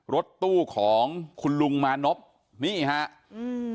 รถตู้ของคุณลุงมานพนี่ฮะอืม